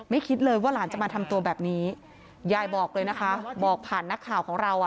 คิดเลยว่าหลานจะมาทำตัวแบบนี้ยายบอกเลยนะคะบอกผ่านนักข่าวของเราอ่ะ